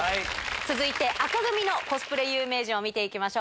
続いて紅組のコスプレ有名人を見ていきましょう。